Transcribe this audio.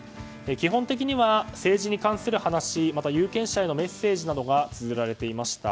基本的には政治に関する話有権者へのメッセージなどがつづられていました。